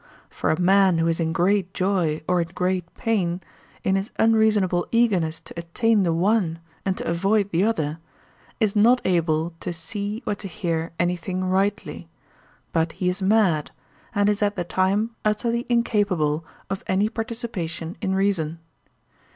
For a man who is in great joy or in great pain, in his unreasonable eagerness to attain the one and to avoid the other, is not able to see or to hear anything rightly; but he is mad, and is at the time utterly incapable of any participation in reason.